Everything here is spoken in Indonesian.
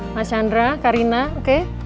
mas chandra karina oke